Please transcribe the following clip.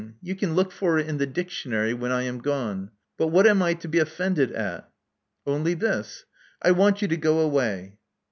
You can look for it in the dictionary wlieii I am gone. But what am I to be offended at?" Only this. I want you to go away."